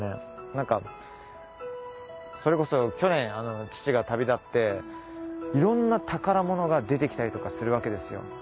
何かそれこそ去年父が旅立っていろんな宝物が出てきたりとかするわけですよ。